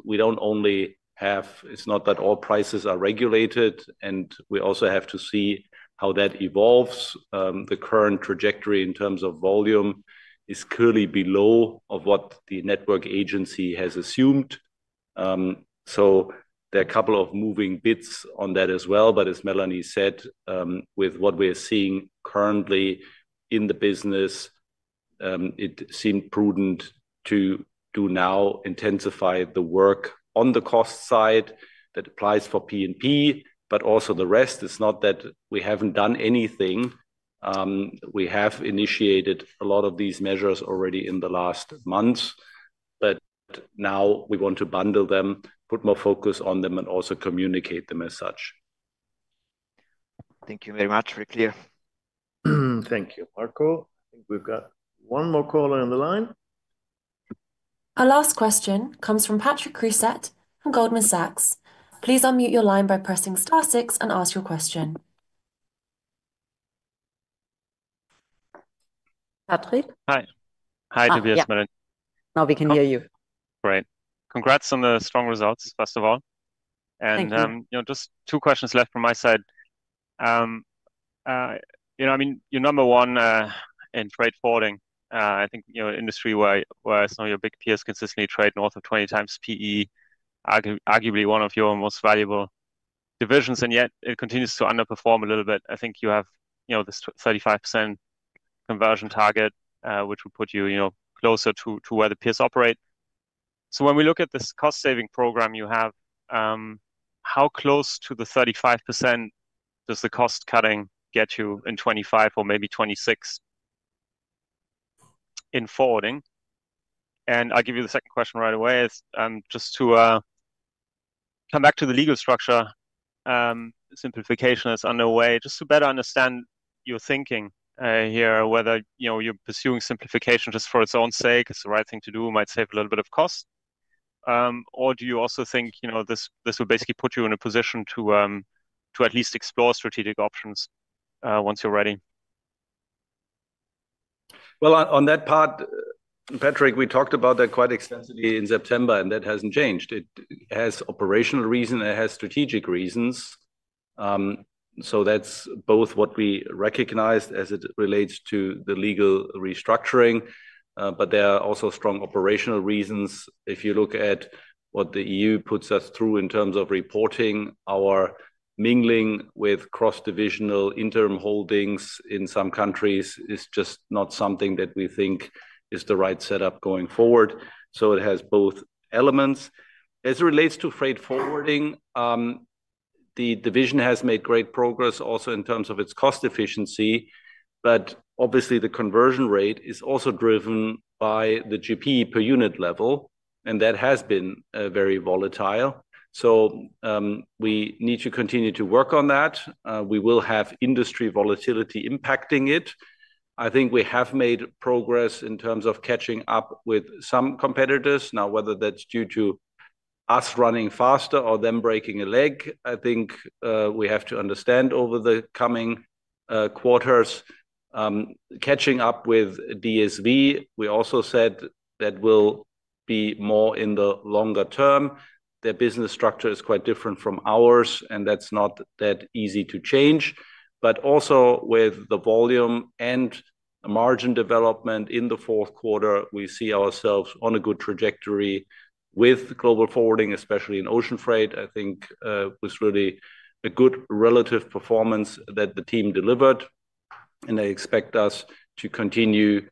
it's not that all prices are regulated, and we also have to see how that evolves. The current trajectory in terms of volume is clearly below what the network agency has assumed. There are a couple of moving bits on that as well. As Melanie said, with what we are seeing currently in the business, it seemed prudent to do now intensify the work on the cost side that applies for P&P, but also the rest. It's not that we haven't done anything. We have initiated a lot of these measures already in the last months, but now we want to bundle them, put more focus on them and also communicate them as such.
Thank you very much. Very clear.
Thank you, Marco. I think we've got one more caller on the line.
Our last question comes from Patrick Creuset from Goldman Sachs. Please unmute your line by pressing star six and ask your question. Patrick?
Hi. Hi Tobias, Melanie.
Yeah. Now we can hear you.
Great. Congrats on the strong results, first of all.
Thank you.
Just two questions left from my side. You're number one in trade forwarding I think industry, where some of your big peers consistently trade north of 20x P/E, arguably one of your most valuable divisions and yet it continues to underperform a little bit. I think you have this 35% conversion target, which would put you closer to where the peers operate. When we look at this cost-saving program you have, how close to the 35% does the cost-cutting get you in 2025 or maybe 2026 in forwarding? I'll give you the second question right away. Just to come back to the legal structure, simplification is underway. Just to better understand your thinking here, whether you're pursuing simplification just for its own sake, it's the right thing to do, might save a little bit of cost or do you also think this will basically put you in a position to at least explore strategic options once you're ready?
On that part, Patrick, we talked about that quite extensively in September, and that hasn't changed. It has operational reasons. It has strategic reasons. That's both what we recognized as it relates to the legal restructuring, but there are also strong operational reasons. If you look at what the EU puts us through in terms of reporting, our mingling with cross-divisional interim holdings in some countries is just not something that we think is the right setup going forward, so it has both elements. As it relates to freight forwarding, the division has made great progress also in terms of its cost efficiency, but obviously the conversion rate is also driven by the GP per unit level and that has been very volatile. We need to continue to work on that. We will have industry volatility impacting it. I think we have made progress in terms of catching up with some competitors. Now, whether that's due to us running faster or them breaking a leg, I think we have to understand over the coming quarters, catching up with DSV, we also said that will be more in the longer term. Their business structure is quite different from ours, and that's not that easy to change. Also, with the volume and margin development in the fourth quarter, we see ourselves on a good trajectory with global forwarding, especially in ocean freight. I think it was really a good relative performance that the team delivered, and they expect us to continue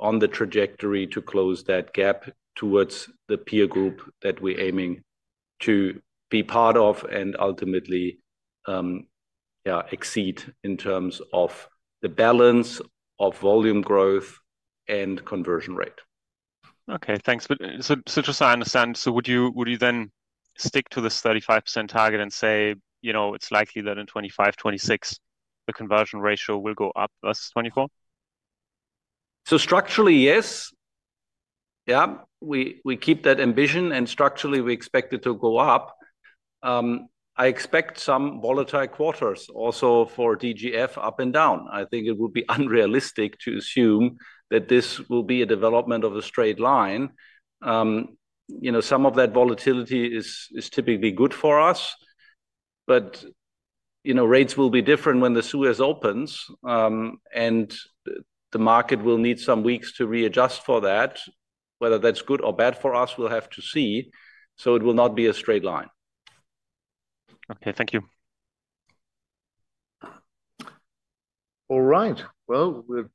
on the trajectory to close that gap towards the peer group that we're aiming to be part of, and ultimately exceed in terms of the balance of volume growth and conversion rate.
Okay, thanks. Just so I understand, so would you then stick to this 35% target and say it's likely that in 2025, 2026, the conversion ratio will go up versus 2024?
Structurally, yes. Yeah, we keep that ambition, and structurally, we expect it to go up. I expect some volatile quarters also for DGF up and down. I think it would be unrealistic to assume that this will be a development of a straight line. Some of that volatility is typically good for us, but rates will be different when the Suez opens and the market will need some weeks to readjust for that. Whether that's good or bad for us, we'll have to see, so it will not be a straight line.
Okay, thank you.
All right. We're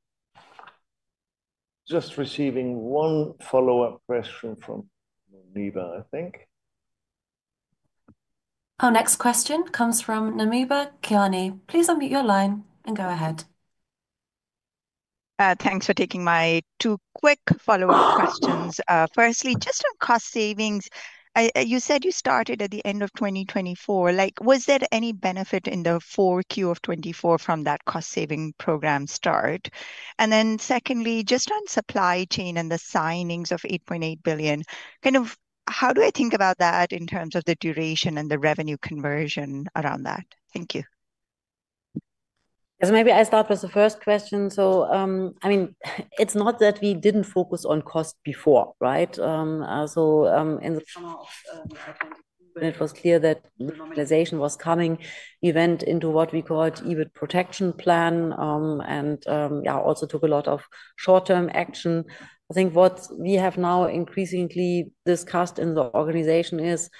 just receiving one follow-up question from Muneeba, I think.
Our next question comes from Muneeba Kayani. Please unmute your line and go ahead.
Thanks for taking my two quick follow-up questions. Firstly, just on cost savings, you said you started at the end of 2024. Was there any benefit in the Q4 of 2024 from that cost-saving program start? Secondly, just on the supply chain and the signings of 8.8 billion, how do you think about that in terms of the duration and the revenue conversion around that? Thank you.
Maybe I start with the first question. It's not that we didn't focus on cost before, right? (audio distortion) it was clear that [normalization] was coming, we went into what we called EBIT protection plan and also took a lot of short-term action. I think what we have now increasingly discussed in the organization is,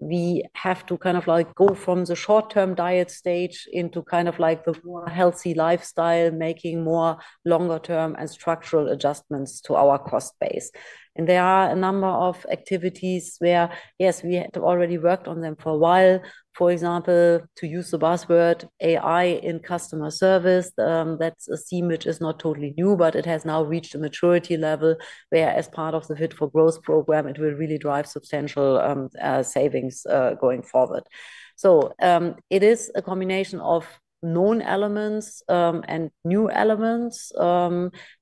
we have to go from the short-term diet stage into the more healthy lifestyle, making more longer-term and structural adjustments to our cost base. There are a number of activities where, yes, we had already worked on them for a while. For example, to use the buzzword AI in customer service, that's a thing which is not totally new, but it has now reached a maturity level where, as part of the Fit for Growth program, it will really drive substantial savings going forward. It is a combination of known elements and new elements.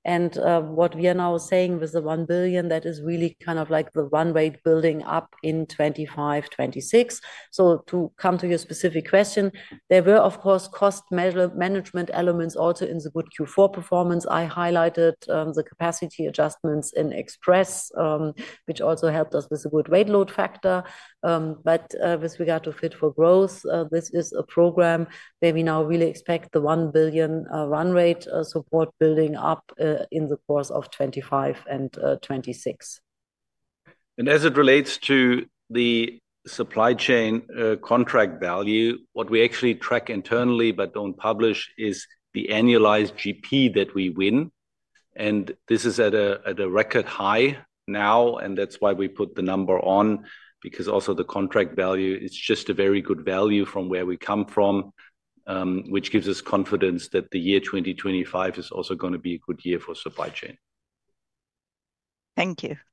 What we are now saying with the 1 billion, that is really the runway building up in 2025, 2026. To come to your specific question, there were of course cost management elements also in the good Q4 performance. I highlighted the capacity adjustments in Express, which also helped us with the good weight load factor. With regard to Fit for Growth, this is a program where we now really expect the 1 billion run rate support building up in the course of 2025 and 2026.
As it relates to the supply chain contract value, what we actually track internally but don't publish is the annualized GP that we win. This is at a record high now, and that's why we put the number on, because also the contract value is just a very good value from where we come from, which gives us confidence that the year 2025 is also going to be a good year for supply chain.
Thank you.
(audio distortion)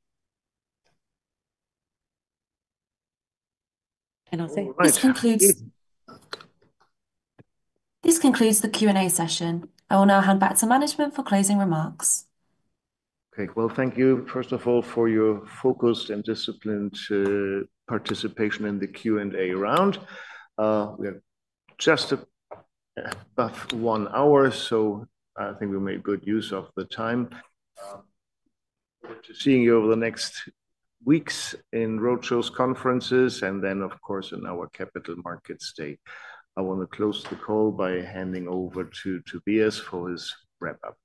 This concludes the Q&A session. I will now hand back to management for closing remarks.
Okay, thank you first of all, for your focused and disciplined participation in the Q&A round. We are just above one hour, so I think we made good use of the time. We're seeing you over the next weeks in roadshows, conferences, and then of course in our Capital Markets Day. I want to close the call by handing over to Tobias for his wrap-up.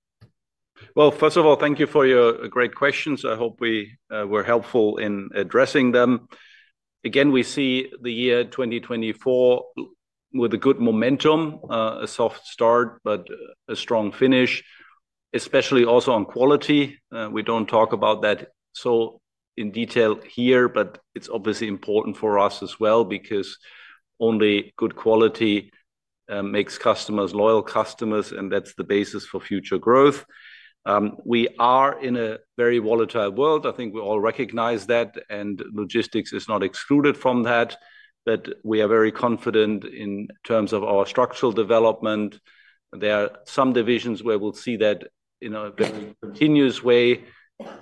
First of all, thank you for your great questions. I hope we were helpful in addressing them. Again, we see the year 2024 with a good momentum, a soft start, but a strong finish especially also on quality. We don't talk about that so in detail here, but it's obviously important for us as well, because only good quality makes customers loyal customers, and that's the basis for future growth. We are in a very volatile world. I think we all recognize that, and logistics is not excluded from that, but we are very confident in terms of our structural development. There are some divisions where we'll see that in a very continuous way,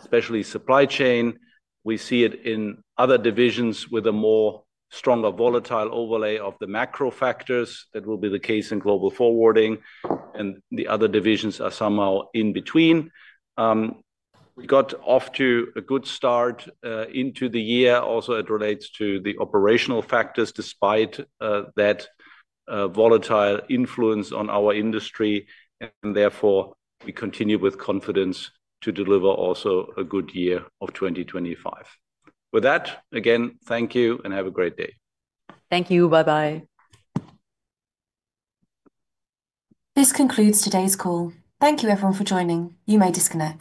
especially supply chain. We see it in other divisions, with a more stronger volatile overlay of the macro factors. That will be the case in global forwarding, and the other divisions are somehow in between. We got off to a good start into the year. Also, it relates to the operational factors, despite that volatile influence on our industry. Therefore, we continue with confidence to deliver also a good year of 2025. With that, again, thank you and have a great day.
Thank you. Bye-bye.
This concludes today's call. Thank you, everyone for joining. You may disconnect.